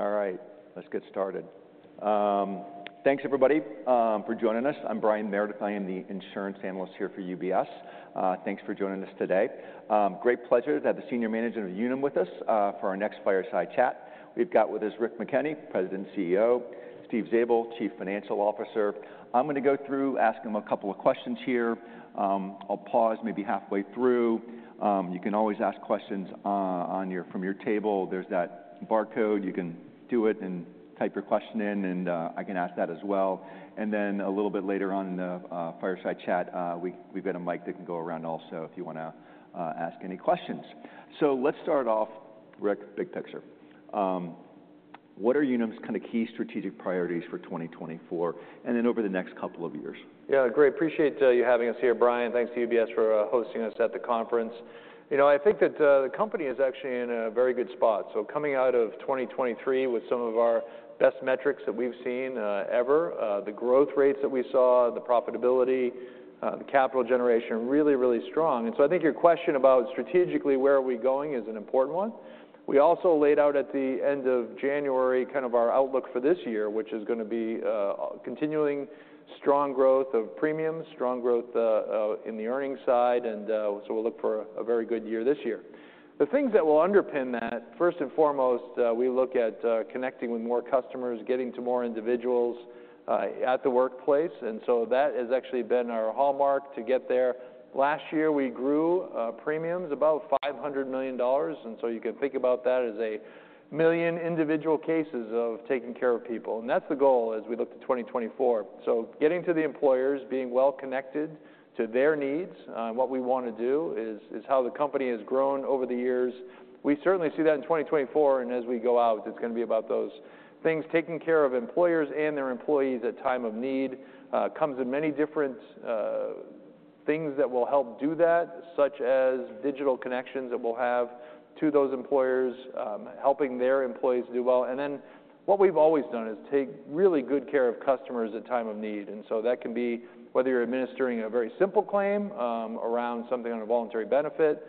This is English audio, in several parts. All right, let's get started. Thanks everybody for joining us. I'm Brian Meredith. I am the Insurance Analyst here for UBS. Thanks for joining us today. Great pleasure to have the Senior Management of Unum with us for our next fireside chat. We've got with us Rick McKenney, President and CEO, Steve Zabel, Chief Financial Officer. I'm gonna go through and ask them a couple of questions here. I'll pause maybe halfway through. You can always ask questions from your table. There's that barcode. You can do it and type your question in, and I can ask that as well. And then a little bit later on in the fireside chat, we've got a mic that can go around also if you wanna ask any questions. So let's start off, Rick, big picture. What are Unum's kinda key strategic priorities for 2024 and then over the next couple of years? Yeah, great. Appreciate you having us here, Brian. Thanks to UBS for hosting us at the conference. You know, I think that the company is actually in a very good spot. So coming out of 2023 with some of our best metrics that we've seen ever, the growth rates that we saw, the profitability, the capital generation, really, really strong. And so I think your question about strategically where are we going is an important one. We also laid out at the end of January kind of our outlook for this year, which is gonna be continuing strong growth of premiums, strong growth in the earnings side. And so we'll look for a very good year this year. The things that will underpin that, first and foremost, we look at connecting with more customers, getting to more individuals at the workplace. That has actually been our hallmark to get there. Last year we grew premiums about $500 million. So you can think about that as 1 million individual cases of taking care of people. And that's the goal as we look to 2024. So getting to the employers, being well connected to their needs, and what we wanna do is how the company has grown over the years. We certainly see that in 2024. And as we go out, it's gonna be about those things. Taking care of employers and their employees at time of need comes in many different things that will help do that, such as digital connections that we'll have to those employers, helping their employees do well. And then what we've always done is take really good care of customers at time of need. And so that can be whether you're administering a very simple claim, around something on a voluntary benefit,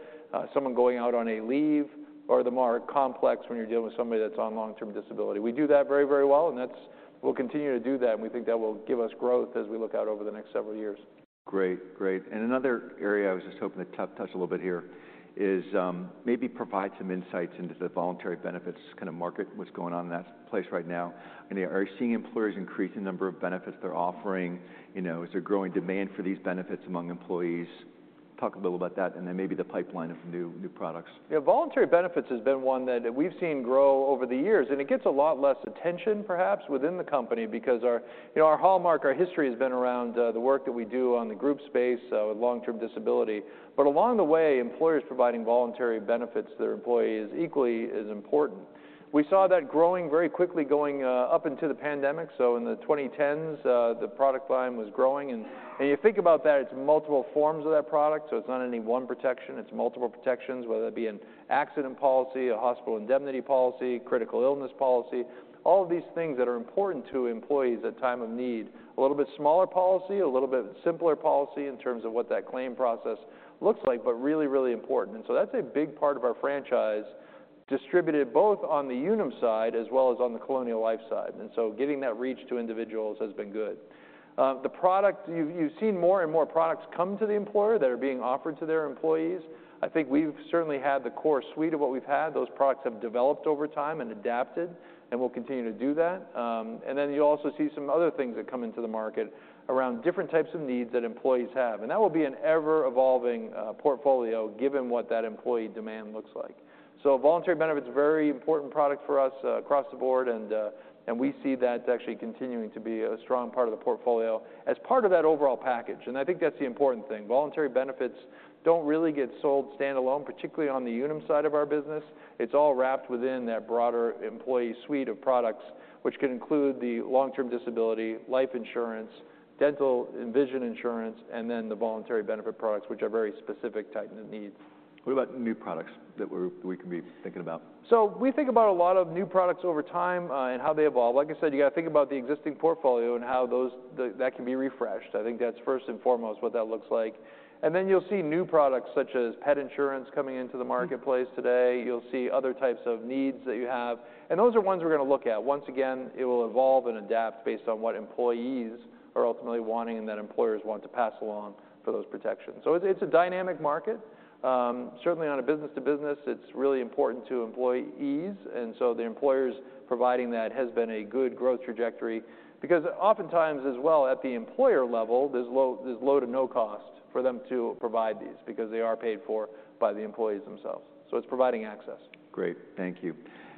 someone going out on a leave, or the more complex when you're dealing with somebody that's on long-term disability. We do that very, very well, and that's we'll continue to do that. We think that will give us growth as we look out over the next several years. Great, great. And another area I was just hoping to touch a little bit here is, maybe provide some insights into the voluntary benefits kind of market, what's going on in that place right now. I mean, are you seeing employers increase the number of benefits they're offering? You know, is there growing demand for these benefits among employees? Talk a little about that, and then maybe the pipeline of new, new products. Yeah, voluntary benefits has been one that we've seen grow over the years. It gets a lot less attention, perhaps, within the company because our, you know, our hallmark, our history has been around the work that we do on the group space, with long-term disability. Along the way, employers providing voluntary benefits to their employees equally is important. We saw that growing very quickly, going up into the pandemic. In the 2010s, the product line was growing. You think about that, it's multiple forms of that product. So it's not any one protection. It's multiple protections, whether that be an accident policy, a hospital indemnity policy, critical illness policy, all of these things that are important to employees at time of need. A little bit smaller policy, a little bit simpler policy in terms of what that claim process looks like, but really, really important. And so that's a big part of our franchise, distributed both on the Unum side as well as on the Colonial Life side. And so getting that reach to individuals has been good. The product you've, you've seen more and more products come to the employer that are being offered to their employees. I think we've certainly had the core suite of what we've had. Those products have developed over time and adapted, and we'll continue to do that. And then you'll also see some other things that come into the market around different types of needs that employees have. And that will be an ever-evolving portfolio given what that employee demand looks like. So voluntary benefits, very important product for us, across the board. And we see that actually continuing to be a strong part of the portfolio as part of that overall package. And I think that's the important thing. Voluntary benefits don't really get sold standalone, particularly on the Unum side of our business. It's all wrapped within that broader employee suite of products, which can include the long-term disability, life insurance, dental and vision insurance, and then the voluntary benefit products, which are very specific type needs. What about new products that we can be thinking about? So we think about a lot of new products over time, and how they evolve. Like I said, you gotta think about the existing portfolio and how those that can be refreshed. I think that's first and foremost what that looks like. And then you'll see new products such as pet insurance coming into the marketplace today. You'll see other types of needs that you have. And those are ones we're gonna look at. Once again, it will evolve and adapt based on what employees are ultimately wanting and that employers want to pass along for those protections. So it's, it's a dynamic market. Certainly on a business-to-business, it's really important to employees. And so the employers providing that has been a good growth trajectory because oftentimes as well at the employer level, there's low to no cost for them to provide these because they are paid for by the employees themselves. So it's providing access. Great. Thank you.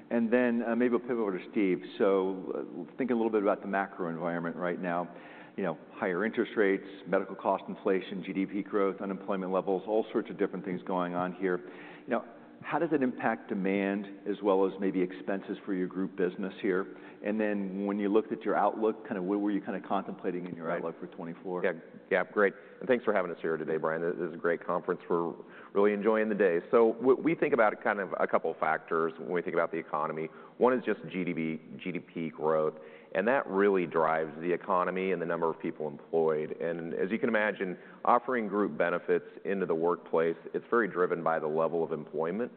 And then, maybe we'll pivot over to Steve. So, think a little bit about the macro environment right now. You know, higher interest rates, medical cost inflation, GDP growth, unemployment levels, all sorts of different things going on here. You know, how does it impact demand as well as maybe expenses for your group business here? And then when you looked at your outlook, kind of what were you kind of contemplating in your outlook for 2024? Yeah, yeah, great. And thanks for having us here today, Brian. It is a great conference. We're really enjoying the day. So what we think about kind of a couple of factors when we think about the economy. One is just GDP, GDP growth. And that really drives the economy and the number of people employed. And as you can imagine, offering group benefits into the workplace, it's very driven by the level of employment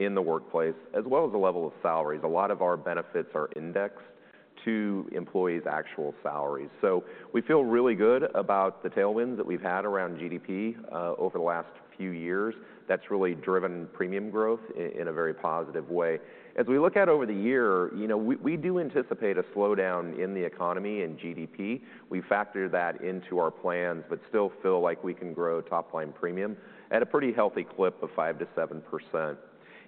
in the workplace as well as the level of salaries. A lot of our benefits are indexed to employees' actual salaries. So we feel really good about the tailwinds that we've had around GDP, over the last few years. That's really driven premium growth in a very positive way. As we look at over the year, you know, we do anticipate a slowdown in the economy and GDP. We factor that into our plans but still feel like we can grow top-line premium at a pretty healthy clip of 5%-7%.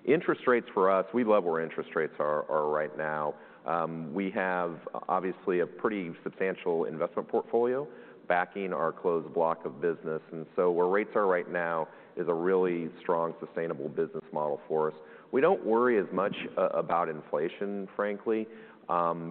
Interest rates for us, we love where interest rates are, are right now. We have obviously a pretty substantial investment portfolio backing our closed block of business. And so where rates are right now is a really strong, sustainable business model for us. We don't worry as much about inflation, frankly.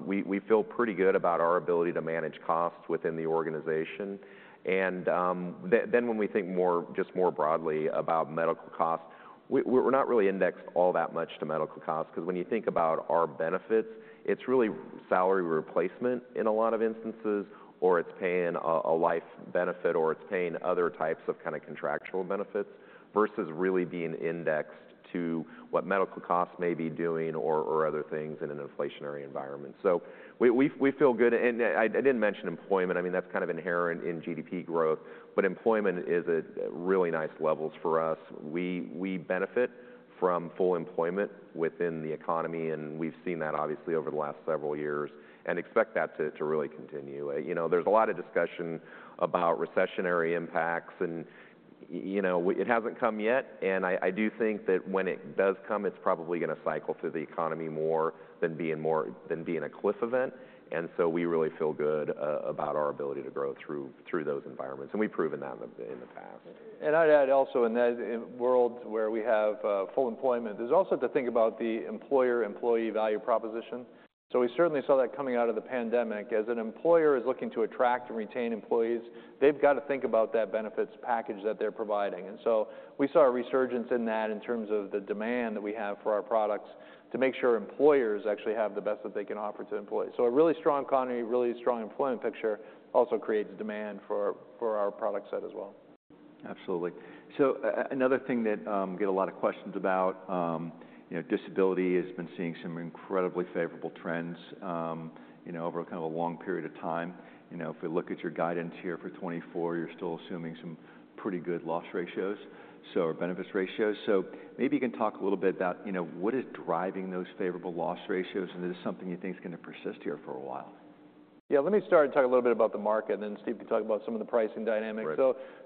We, we feel pretty good about our ability to manage costs within the organization. When we think more just more broadly about medical costs, we're not really indexed all that much to medical costs 'cause when you think about our benefits, it's really salary replacement in a lot of instances, or it's paying a life benefit, or it's paying other types of kind of contractual benefits versus really being indexed to what medical costs may be doing or other things in an inflationary environment. So we feel good. I didn't mention employment. I mean, that's kind of inherent in GDP growth, but employment is at really nice levels for us. We benefit from full employment within the economy, and we've seen that obviously over the last several years and expect that to really continue. You know, there's a lot of discussion about recessionary impacts, and you know, it hasn't come yet. I do think that when it does come, it's probably gonna cycle through the economy more than being a cliff event. So we really feel good about our ability to grow through those environments. And we've proven that in the past. I'd add also, in that world where we have full employment, there's also to think about the employer-employee value proposition. So we certainly saw that coming out of the pandemic. As an employer is looking to attract and retain employees, they've gotta think about that benefits package that they're providing. And so we saw a resurgence in that in terms of the demand that we have for our products to make sure employers actually have the best that they can offer to employees. So a really strong economy, really strong employment picture also creates demand for our product set as well. Absolutely. So, another thing that we get a lot of questions about, you know, disability has been seeing some incredibly favorable trends, you know, over kind of a long period of time. You know, if we look at your guidance here for 2024, you're still assuming some pretty good loss ratios, so or benefits ratios. So maybe you can talk a little bit about, you know, what is driving those favorable loss ratios? And is this something you think's gonna persist here for a while? Yeah, let me start and talk a little bit about the market, and then Steve can talk about some of the pricing dynamics.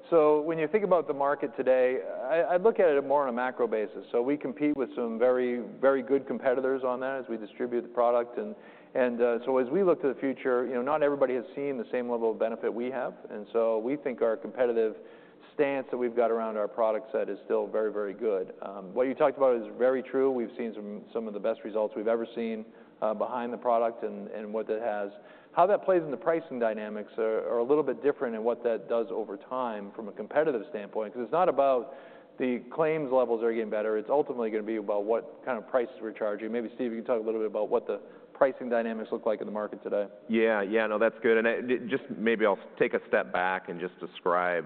So when you think about the market today, I look at it more on a macro basis. So we compete with some very, very good competitors on that as we distribute the product. And so as we look to the future, you know, not everybody has seen the same level of benefit we have. And so we think our competitive stance that we've got around our product set is still very, very good. What you talked about is very true. We've seen some of the best results we've ever seen behind the product and what that has. How that plays in the pricing dynamics are a little bit different and what that does over time from a competitive standpoint 'cause it's not about the claims levels are getting better. It's ultimately gonna be about what kind of price we're charging. Maybe Steve, you can talk a little bit about what the pricing dynamics look like in the market today. Yeah, yeah. No, that's good. And I just maybe I'll take a step back and just describe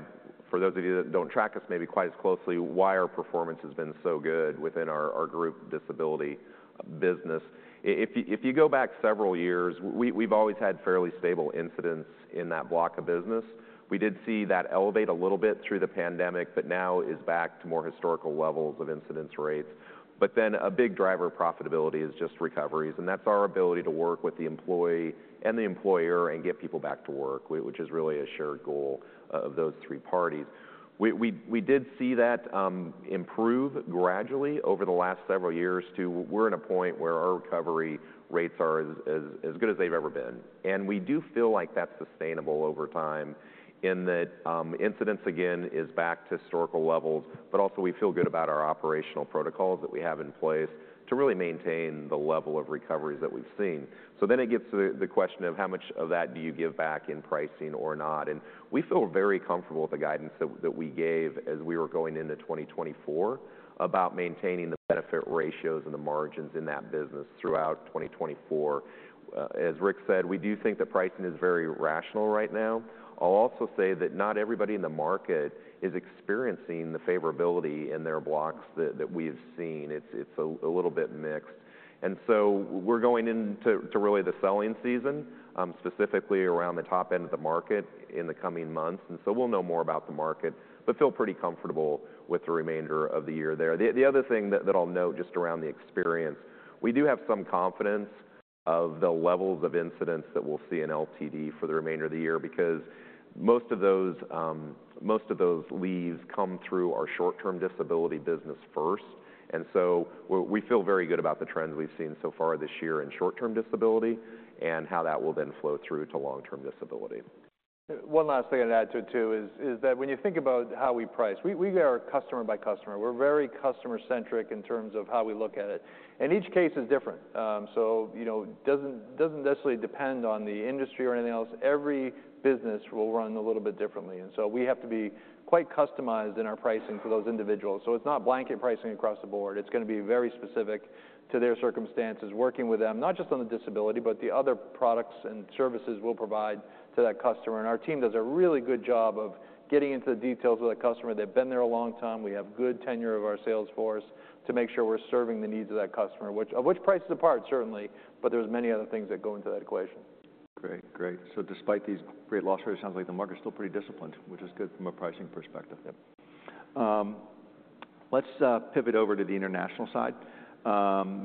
for those of you that don't track us maybe quite as closely why our performance has been so good within our, our group disability business. If you, if you go back several years, we, we've always had fairly stable incidence in that block of business. We did see that elevate a little bit through the pandemic, but now is back to more historical levels of incidence rates. But then a big driver of profitability is just recoveries. And that's our ability to work with the employee and the employer and get people back to work, which is really a shared goal of those three parties. We did see that improve gradually over the last several years to where we're at a point where our recovery rates are as good as they've ever been. And we do feel like that's sustainable over time in that incidence again is back to historical levels. But also we feel good about our operational protocols that we have in place to really maintain the level of recoveries that we've seen. So then it gets to the question of how much of that do you give back in pricing or not? And we feel very comfortable with the guidance that we gave as we were going into 2024 about maintaining the benefit ratios and the margins in that business throughout 2024. As Rick said, we do think that pricing is very rational right now. I'll also say that not everybody in the market is experiencing the favorability in their blocks that, that we've seen. It's, it's a, a little bit mixed. And so we're going into really the selling season, specifically around the top end of the market in the coming months. And so we'll know more about the market but feel pretty comfortable with the that we'll see in LTD for the remainder of the year because most of those, most of those leaves come through our short-term disability business first. And so we, we feel very good about the trends we've seen so far this year in short-term disability and how that will then flow through to long-term disability. One last thing I'd add to it too is that when you think about how we price, we are customer by customer. We're very customer-centric in terms of how we look at it. And each case is different. So, you know, it doesn't necessarily depend on the industry or anything else. Every business will run a little bit differently. And so we have to be quite customized in our pricing for those individuals. So it's not blanket pricing across the board. It's gonna be very specific to their circumstances, working with them not just on the disability, but the other products and services we'll provide to that customer. And our team does a really good job of getting into the details with that customer. They've been there a long time. We have good tenure of our sales force to make sure we're serving the needs of that customer, of which price is a part certainly, but there's many other things that go into that equation. Great, great. So despite these great loss rates, it sounds like the market's still pretty disciplined, which is good from a pricing perspective. Yep. Let's pivot over to the international side.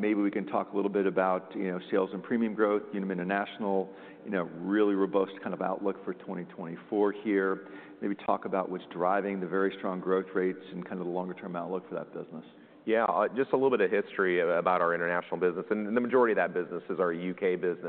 Maybe we can talk a little bit about, you know, sales and premium growth, Unum International, you know, really robust kind of outlook for 2024 here. Maybe talk about what's driving the very strong growth rates and kind of the longer-term outlook for that business. Yeah, just a little bit of history about our international business. The majority of that business is our U.K. business.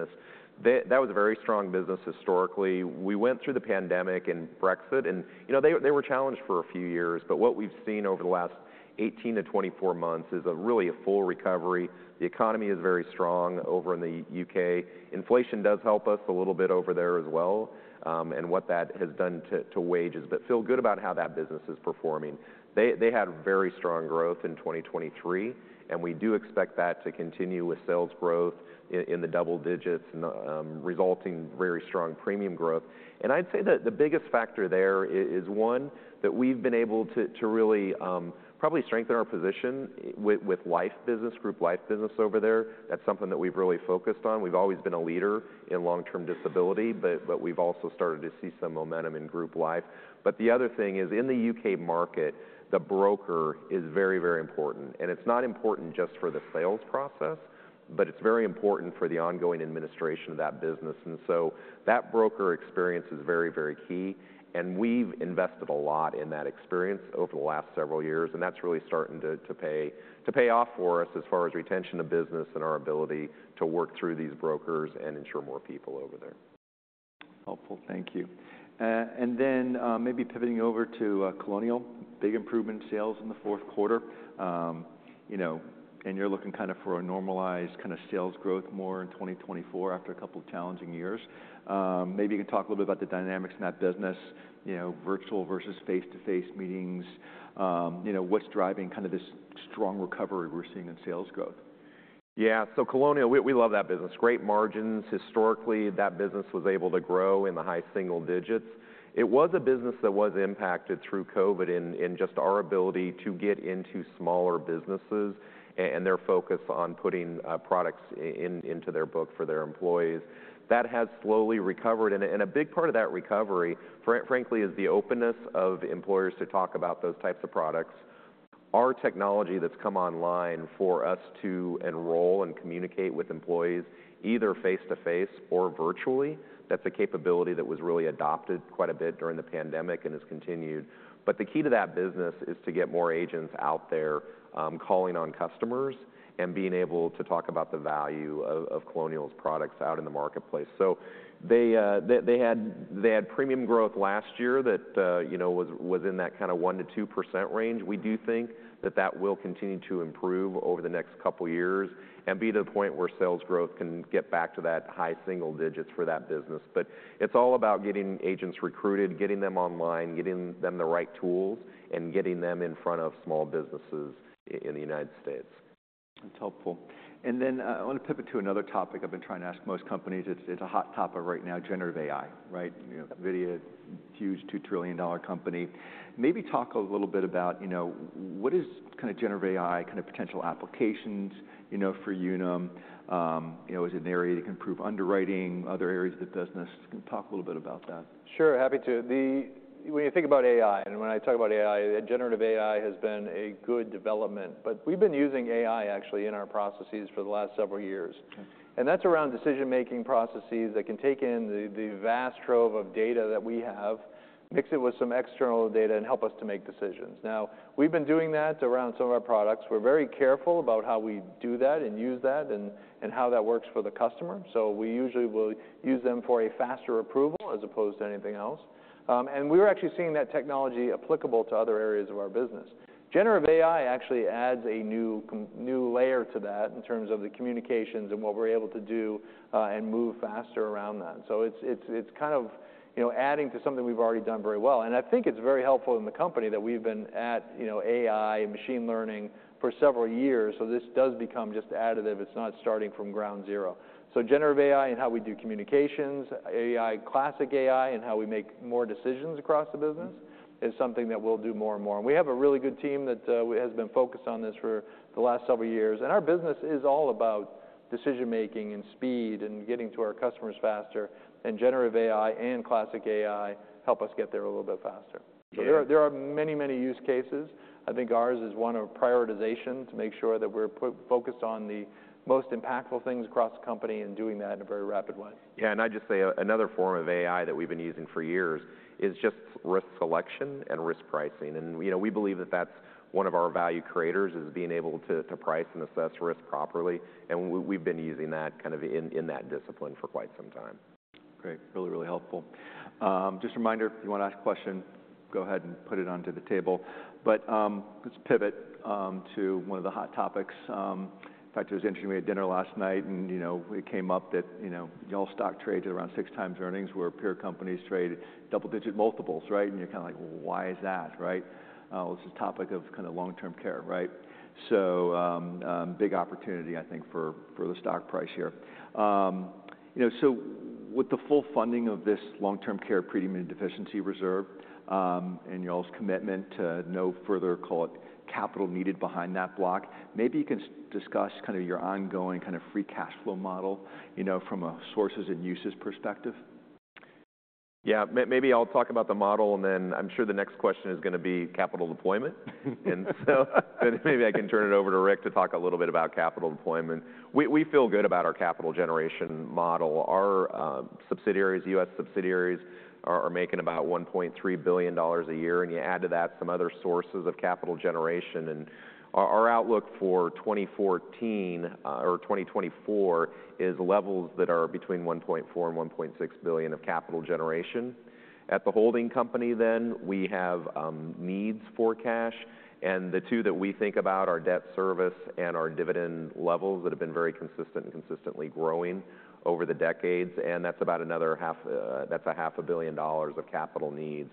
That, that was a very strong business historically. We went through the pandemic and Brexit, and, you know, they, they were challenged for a few years. But what we've seen over the last 18-24 months is really a full recovery. The economy is very strong over in the U.K. Inflation does help us a little bit over there as well, and what that has done to, to wages but feel good about how that business is performing. They, they had very strong growth in 2023, and we do expect that to continue with sales growth in, in the double digits and, resulting very strong premium growth. And I'd say that the biggest factor there is one that we've been able to really probably strengthen our position with life business, group life business over there. That's something that we've really focused on. We've always been a leader in long-term disability, but we've also started to see some momentum in group life. But the other thing is in the U.K. market, the broker is very, very important. And it's not important just for the sales process, but it's very important for the ongoing administration of that business. And so that broker experience is very, very key. And we've invested a lot in that experience over the last several years. And that's really starting to pay off for us as far as retention of business and our ability to work through these brokers and insure more people over there. Helpful. Thank you. And then, maybe pivoting over to Colonial, big improvement in sales in the fourth quarter. You know, and you're looking kind of for a normalized kind of sales growth more in 2024 after a couple of challenging years. Maybe you can talk a little bit about the dynamics in that business, you know, virtual versus face-to-face meetings. You know, what's driving kind of this strong recovery we're seeing in sales growth? Yeah. So Colonial, we love that business. Great margins. Historically, that business was able to grow in the high single digits. It was a business that was impacted through COVID in just our ability to get into smaller businesses and their focus on putting products into their book for their employees. That has slowly recovered. And a big part of that recovery, frankly, is the openness of employers to talk about those types of products. Our technology that's come online for us to enroll and communicate with employees either face-to-face or virtually, that's a capability that was really adopted quite a bit during the pandemic and has continued. But the key to that business is to get more agents out there, calling on customers and being able to talk about the value of Colonial's products out in the marketplace. So they had premium growth last year that, you know, was in that kind of 1%-2% range. We do think that that will continue to improve over the next couple of years and be to the point where sales growth can get back to that high single digits for that business. But it's all about getting agents recruited, getting them online, getting them the right tools, and getting them in front of small businesses in the United States. That's helpful. And then, I wanna pivot to another topic I've been trying to ask most companies. It's, it's a hot topic right now, Generative AI, right? You know, NVIDIA, huge $2 trillion company. Maybe talk a little bit about, you know, what is kind of Generative AI, kind of potential applications, you know, for Unum. You know, is it an area that can improve underwriting, other areas of the business? Can you talk a little bit about that? Sure. Happy to. When you think about AI and when I talk about AI, generative AI has been a good development. But we've been using AI actually in our processes for the last several years. And that's around decision-making processes that can take in the vast trove of data that we have, mix it with some external data, and help us to make decisions. Now, we've been doing that around some of our products. We're very careful about how we do that and use that and how that works for the customer. So we usually will use them for a faster approval as opposed to anything else. We're actually seeing that technology applicable to other areas of our business. Generative AI actually adds a new layer to that in terms of the communications and what we're able to do, and move faster around that. So it's kind of, you know, adding to something we've already done very well. And I think it's very helpful in the company that we've been at, you know, AI and machine learning for several years. So this does become just additive. It's not starting from ground zero. So generative AI and how we do communications, AI, classic AI, and how we make more decisions across the business is something that we'll do more and more. And we have a really good team that has been focused on this for the last several years. And our business is all about decision-making and speed and getting to our customers faster. And generative AI and classic AI help us get there a little bit faster. So there are many, many use cases. I think ours is one of prioritization to make sure that we're focused on the most impactful things across the company and doing that in a very rapid way. Yeah. And I'd just say another form of AI that we've been using for years is just risk selection and risk pricing. And, you know, we believe that that's one of our value creators is being able to to price and assess risk properly. And we've been using that kind of in, in that discipline for quite some time. Great. Really, really helpful. Just a reminder, if you wanna ask a question, go ahead and put it onto the table. But let's pivot to one of the hot topics. In fact, it was interesting. We had dinner last night, and, you know, it came up that, you know, y'all stock traded around 6 times earnings where peer companies traded double-digit multiples, right? And you're kinda like, "Well, why is that?" Right? Well, it's this topic of kind of long-term care, right? So, big opportunity, I think, for, for the stock price here. You know, so with the full funding of this long-term care premium deficiency reserve, and y'all's commitment to no further, call it, capital needed behind that block, maybe you can discuss kind of your ongoing kind of free cash flow model, you know, from a sources and uses perspective. Yeah. Maybe I'll talk about the model, and then I'm sure the next question is gonna be capital deployment. And so then maybe I can turn it over to Rick to talk a little bit about capital deployment. We feel good about our capital generation model. Our US subsidiaries are making about $1.3 billion a year. And you add to that some other sources of capital generation. And our outlook for 2024 is levels that are between $1.4-$1.6 billion of capital generation. At the holding company, we have needs for cash. And the two that we think about are debt service and our dividend levels that have been very consistent and consistently growing over the decades. And that's about another $500 million of capital needs.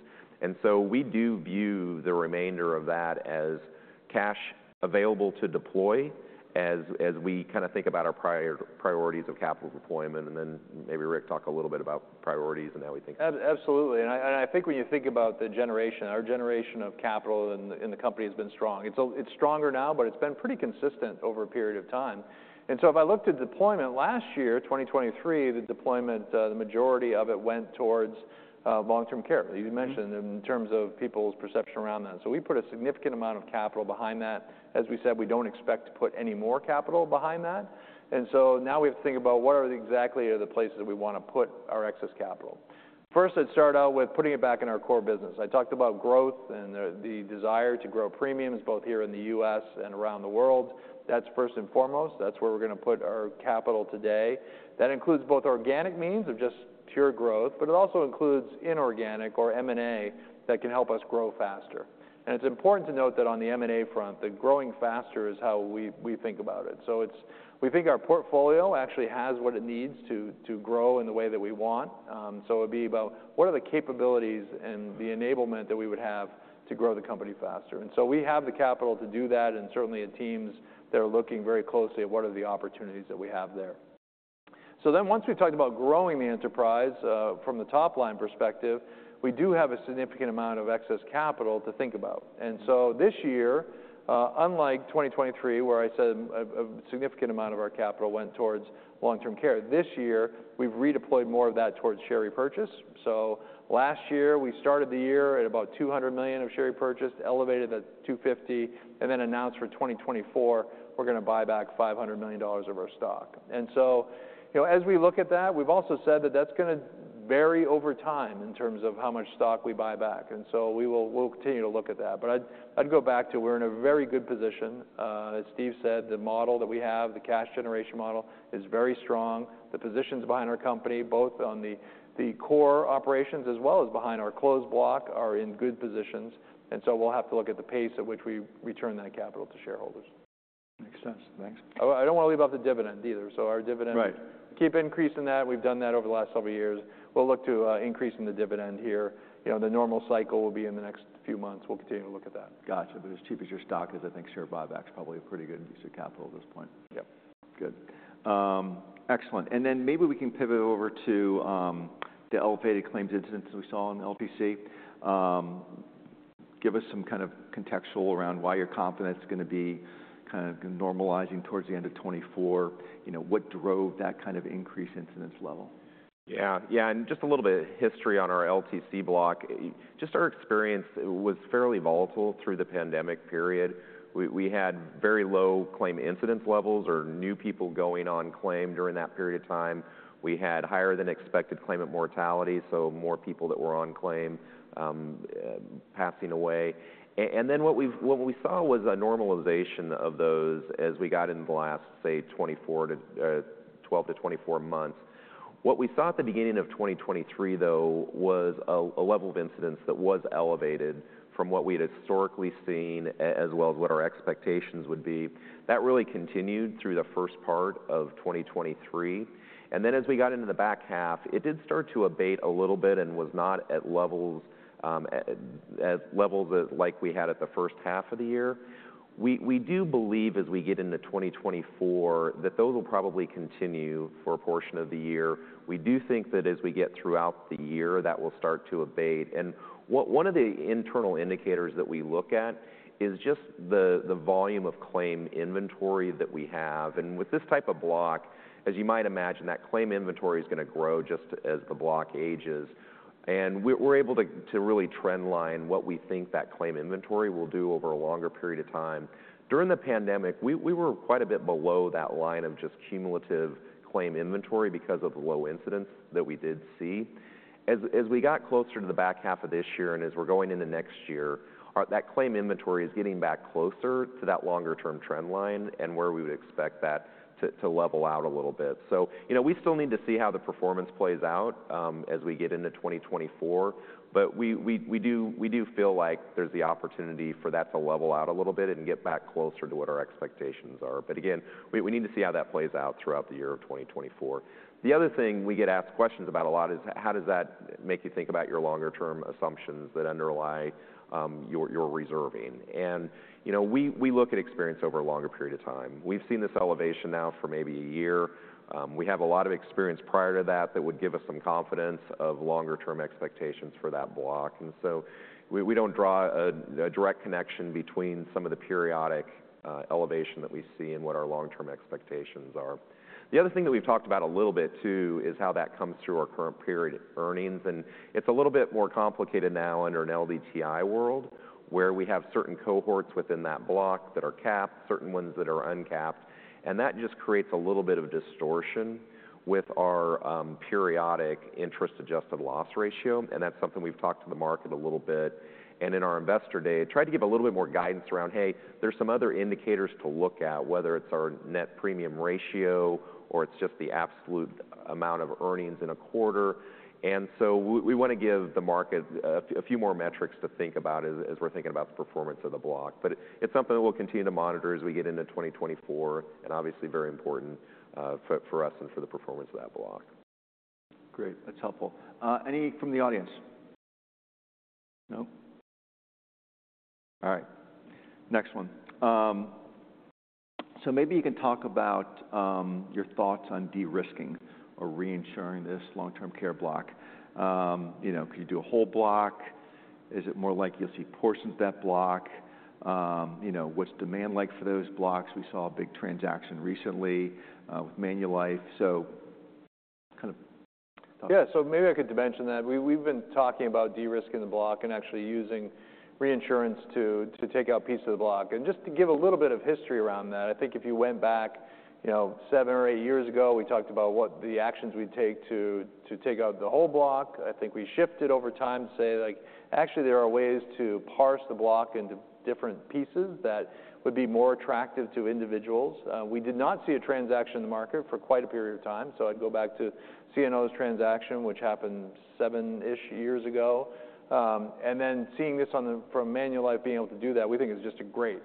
So we do view the remainder of that as cash available to deploy as, as we kinda think about our prior-priorities of capital deployment. And then maybe Rick, talk a little bit about priorities and how we think about that. Absolutely. And I think when you think about the generation, our generation of capital in the company has been strong. It's stronger now, but it's been pretty consistent over a period of time. And so if I looked at deployment last year, 2023, the deployment, the majority of it went towards long-term care, you mentioned, in terms of people's perception around that. So we put a significant amount of capital behind that. As we said, we don't expect to put any more capital behind that. And so now we have to think about what exactly are the places that we wanna put our excess capital. First, I'd start out with putting it back in our core business. I talked about growth and the desire to grow premiums both here in the U.S. and around the world. That's first and foremost. That's where we're gonna put our capital today. That includes both organic means of just pure growth, but it also includes inorganic or M&A that can help us grow faster. It's important to note that on the M&A front, the growing faster is how we, we think about it. So it's we think our portfolio actually has what it needs to, to grow in the way that we want. So it'd be about what are the capabilities and the enablement that we would have to grow the company faster. And so we have the capital to do that. And certainly, our teams, they're looking very closely at what are the opportunities that we have there. So then once we've talked about growing the enterprise, from the top-line perspective, we do have a significant amount of excess capital to think about. So this year, unlike 2023 where I said a significant amount of our capital went towards long-term care, this year, we've redeployed more of that towards share repurchase. So last year, we started the year at about $200 million of share repurchased, elevated that to $250 million, and then announced for 2024, we're gonna buy back $500 million of our stock. And so, you know, as we look at that, we've also said that that's gonna vary over time in terms of how much stock we buy back. And so we will, we'll continue to look at that. But I'd go back to we're in a very good position. As Steve said, the model that we have, the cash generation model, is very strong. The positions behind our company, both on the core operations as well as behind our closed block, are in good positions. We'll have to look at the pace at which we return that capital to shareholders. Makes sense. Thanks. I don't wanna leave off the dividend either. Our dividend. Right. Keep increasing that. We've done that over the last several years. We'll look to increasing the dividend here. You know, the normal cycle will be in the next few months. We'll continue to look at that. Gotcha. But as cheap as your stock is, I think share buybacks probably a pretty good use of capital at this point. Yep. Good. Excellent. And then maybe we can pivot over to the elevated claims incidence that we saw in LTC. Give us some kind of context around why you're confident it's gonna be kind of normalizing towards the end of 2024. You know, what drove that kind of increase incidence level? Yeah. Yeah. And just a little bit of history on our LTC block. Just our experience was fairly volatile through the pandemic period. We had very low claim incidence levels or new people going on claim during that period of time. We had higher-than-expected claimant mortality, so more people that were on claim, passing away. And then what we saw was a normalization of those as we got into the last, say, 12-24 months. What we saw at the beginning of 2023, though, was a level of incidence that was elevated from what we had historically seen as well as what our expectations would be. That really continued through the first part of 2023. And then as we got into the back half, it did start to abate a little bit and was not at levels as levels at like we had at the first half of the year. We do believe as we get into 2024 that those will probably continue for a portion of the year. We do think that as we get throughout the year, that will start to abate. What one of the internal indicators that we look at is just the volume of claim inventory that we have. And with this type of block, as you might imagine, that claim inventory is gonna grow just as the block ages. And we're able to really trendline what we think that claim inventory will do over a longer period of time. During the pandemic, we were quite a bit below that line of just cumulative claim inventory because of the low incidence that we did see. As we got closer to the back half of this year and as we're going into next year, our claim inventory is getting back closer to that longer-term trendline and where we would expect that to level out a little bit. So, you know, we still need to see how the performance plays out, as we get into 2024. But we do feel like there's the opportunity for that to level out a little bit and get back closer to what our expectations are. But again, we need to see how that plays out throughout the year of 2024. The other thing we get asked questions about a lot is, how does that make you think about your longer-term assumptions that underlie your reserving? And, you know, we look at experience over a longer period of time. We've seen this elevation now for maybe a year. We have a lot of experience prior to that that would give us some confidence of longer-term expectations for that block. And so we don't draw a direct connection between some of the periodic elevation that we see and what our long-term expectations are. The other thing that we've talked about a little bit too is how that comes through our current period earnings. And it's a little bit more complicated now under an LDTI world where we have certain cohorts within that block that are capped, certain ones that are uncapped. And that just creates a little bit of distortion with our periodic interest-adjusted loss ratio. And that's something we've talked to the market a little bit. And in our investor day, tried to give a little bit more guidance around, "Hey, there's some other indicators to look at, whether it's our net premium ratio or it's just the absolute amount of earnings in a quarter." And so we, we wanna give the market a few more metrics to think about as, as we're thinking about the performance of the block. But it's something that we'll continue to monitor as we get into 2024 and obviously very important for, for us and for the performance of that block. Great. That's helpful. Any from the audience? No? All right. Next one. So maybe you can talk about your thoughts on de-risking or reinsuring this long-term care block. You know, could you do a whole block? Is it more like you'll see portions of that block? You know, what's demand like for those blocks? We saw a big transaction recently with Manulife. So kind of talk. Yeah. So maybe I could dimension that. We've been talking about de-risking the block and actually using reinsurance to take out pieces of the block. And just to give a little bit of history around that, I think if you went back, you know, seven or eight years ago, we talked about what the actions we'd take to take out the whole block. I think we shifted over time to say, like, actually, there are ways to parse the block into different pieces that would be more attractive to individuals. We did not see a transaction in the market for quite a period of time. So I'd go back to CNO's transaction, which happened seven-ish years ago, and then seeing this one from Manulife being able to do that, we think it's just great.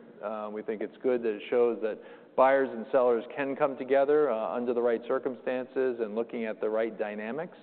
We think it's good that it shows that buyers and sellers can come together, under the right circumstances and looking at the right dynamics.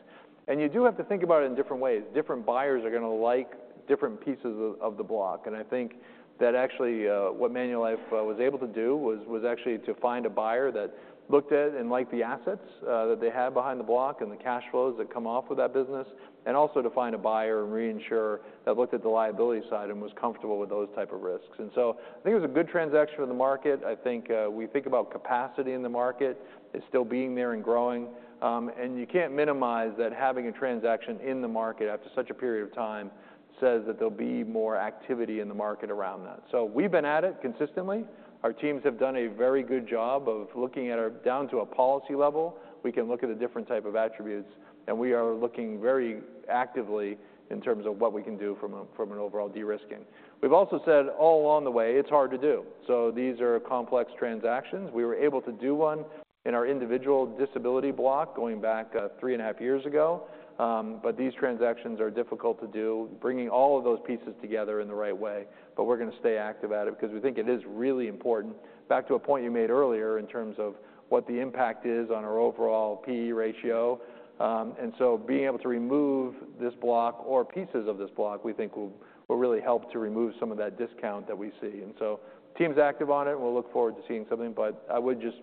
You do have to think about it in different ways. Different buyers are gonna like different pieces of the block. I think that actually, what Manulife was able to do was actually to find a buyer that looked at and liked the assets, that they had behind the block and the cash flows that come off of that business and also to find a buyer and reinsurer that looked at the liability side and was comfortable with those type of risks. So I think it was a good transaction for the market. I think when we think about capacity in the market, it's still being there and growing. You can't minimize that having a transaction in the market after such a period of time says that there'll be more activity in the market around that. So we've been at it consistently. Our teams have done a very good job of looking at our down to a policy level. We can look at the different type of attributes. And we are looking very actively in terms of what we can do from an overall de-risking. We've also said all along the way, it's hard to do. So these are complex transactions. We were able to do one in our individual disability block going back three and a half years ago. But these transactions are difficult to do, bringing all of those pieces together in the right way. But we're gonna stay active at it because we think it is really important. Back to a point you made earlier in terms of what the impact is on our overall P/E ratio. And so being able to remove this block or pieces of this block, we think will, will really help to remove some of that discount that we see. And so team's active on it and we'll look forward to seeing something. But I would just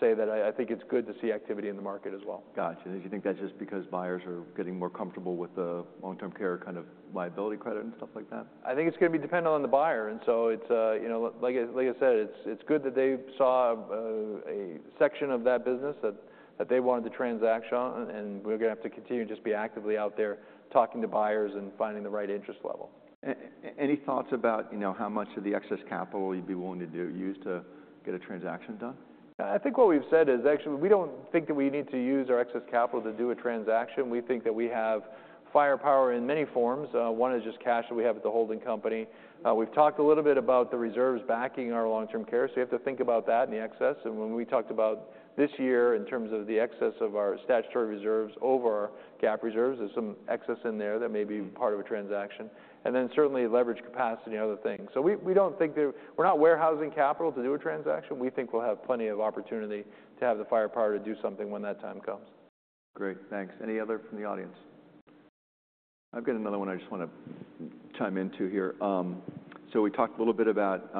say that I, I think it's good to see activity in the market as well. Gotcha. Do you think that's just because buyers are getting more comfortable with the long-term care kind of liability credit and stuff like that? I think it's gonna be dependent on the buyer. And so it's, you know, like I said, it's good that they saw a section of that business that they wanted to transact on. And we're gonna have to continue to just be actively out there talking to buyers and finding the right interest level. Any thoughts about, you know, how much of the excess capital you'd be willing to use to get a transaction done? Yeah. I think what we've said is actually we don't think that we need to use our excess capital to do a transaction. We think that we have firepower in many forms. One is just cash that we have at the holding company. We've talked a little bit about the reserves backing our long-term care. So you have to think about that and the excess. And when we talked about this year in terms of the excess of our statutory reserves over our GAAP reserves, there's some excess in there that may be part of a transaction. And then certainly leverage capacity and other things. So we, we don't think that we're not warehousing capital to do a transaction. We think we'll have plenty of opportunity to have the firepower to do something when that time comes. Great. Thanks. Any other from the audience? I've got another one I just wanna chime into here. So we talked a little bit about,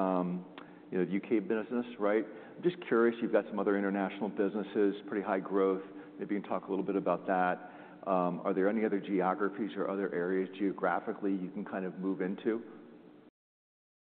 you know, the U.K. business, right? I'm just curious. You've got some other international businesses, pretty high growth. Maybe you can talk a little bit about that. Are there any other geographies or other areas geographically you can kind of move into?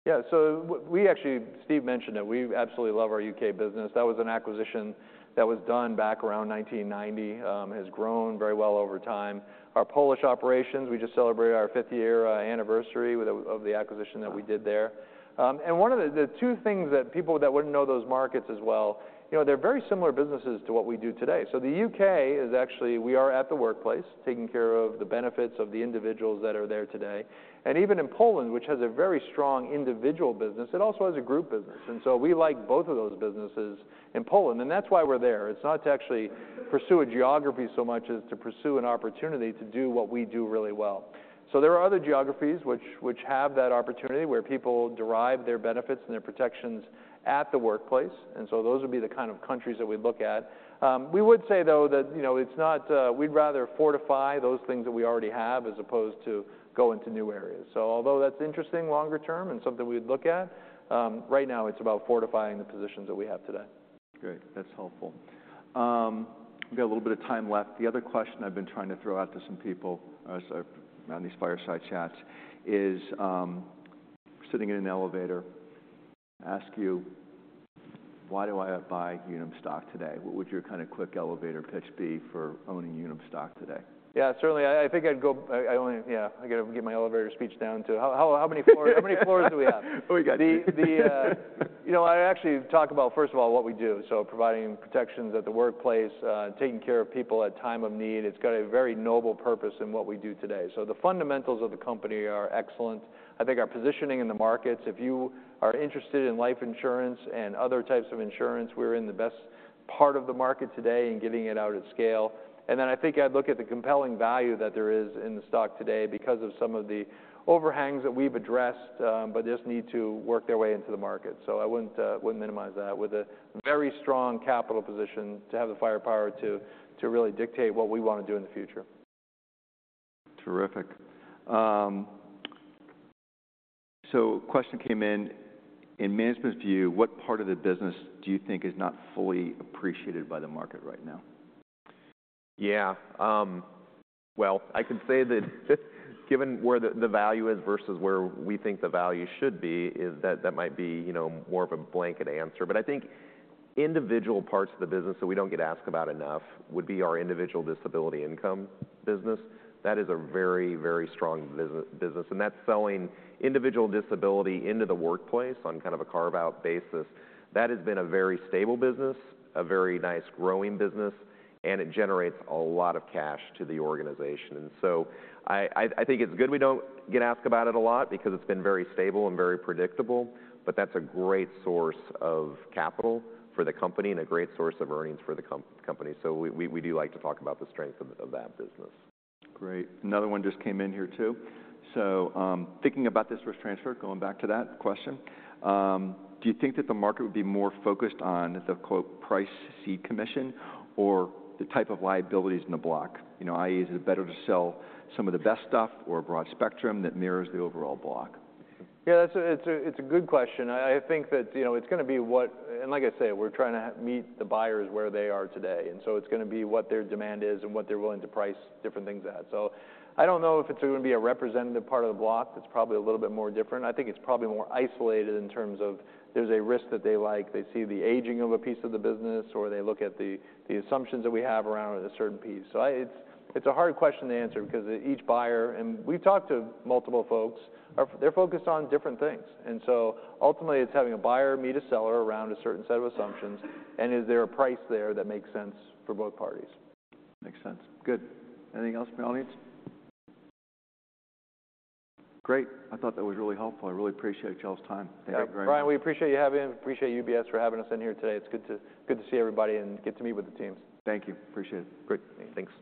Yeah. So we actually, Steve mentioned it. We absolutely love our U.K. business. That was an acquisition that was done back around 1990, has grown very well over time. Our Polish operations, we just celebrated our fifth anniversary of the acquisition that we did there. And one of the two things that people that wouldn't know those markets as well, you know, they're very similar businesses to what we do today. So the U.K. is actually we are at the workplace taking care of the benefits of the individuals that are there today. And even in Poland, which has a very strong individual business, it also has a group business. And so we like both of those businesses in Poland. And that's why we're there. It's not to actually pursue a geography so much as to pursue an opportunity to do what we do really well. So there are other geographies which have that opportunity where people derive their benefits and their protections at the workplace. And so those would be the kind of countries that we'd look at. We would say, though, that, you know, it's not; we'd rather fortify those things that we already have as opposed to go into new areas. So although that's interesting longer term and something we'd look at, right now it's about fortifying the positions that we have today. Great. That's helpful. We've got a little bit of time left. The other question I've been trying to throw out to some people, so on these fireside chats, is, sitting in an elevator, ask you, "Why do I buy Unum stock today?" What would your kind of quick elevator pitch be for owning Unum stock today? Yeah. Certainly. I think I'd go. I only yeah. I gotta get my elevator speech down too. How many floors do we have? Oh, we got you. You know, I actually talk about, first of all, what we do. So providing protections at the workplace, taking care of people at time of need. It's got a very noble purpose in what we do today. So the fundamentals of the company are excellent. I think our positioning in the markets, if you are interested in life insurance and other types of insurance, we're in the best part of the market today in getting it out at scale. And then I think I'd look at the compelling value that there is in the stock today because of some of the overhangs that we've addressed, but just need to work their way into the market. So I wouldn't minimize that with a very strong capital position to have the firepower to really dictate what we wanna do in the future. Terrific. So question came in. In management's view, what part of the business do you think is not fully appreciated by the market right now? Yeah. Well, I can say that given where the value is versus where we think the value should be, that might be, you know, more of a blanket answer. But I think individual parts of the business that we don't get asked about enough would be our individual disability income business. That is a very, very strong business. And that's selling individual disability into the workplace on kind of a carve-out basis. That has been a very stable business, a very nice growing business, and it generates a lot of cash to the organization. And so I think it's good we don't get asked about it a lot because it's been very stable and very predictable. But that's a great source of capital for the company and a great source of earnings for the company. So we do like to talk about the strength of that business. Great. Another one just came in here too. So, thinking about this risk transfer, going back to that question, do you think that the market would be more focused on the quote "price ceding commission" or the type of liabilities in the block? You know, i.e., is it better to sell some of the best stuff or a broad spectrum that mirrors the overall block? Yeah. That's a good question. I think that, you know, it's gonna be what and like I say, we're trying to meet the buyers where they are today. And so it's gonna be what their demand is and what they're willing to price different things at. So I don't know if it's gonna be a representative part of the block. That's probably a little bit more different. I think it's probably more isolated in terms of there's a risk that they like. They see the aging of a piece of the business or they look at the assumptions that we have around a certain piece. So it's a hard question to answer because each buyer and we've talked to multiple folks, are. They're focused on different things. Ultimately, it's having a buyer meet a seller around a certain set of assumptions. Is there a price there that makes sense for both parties? Makes sense. Good. Anything else, my audience? Great. I thought that was really helpful. I really appreciate y'all's time. Yeah. Thank you very much. Brian, we appreciate you having us. We appreciate UBS for having us in here today. It's good to see everybody and get to meet with the teams. Thank you. Appreciate it. Great. Thanks.